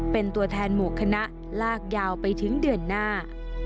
เป็นตัวแทนหมู่คณะลากยาวไปถึงเดือนหน้า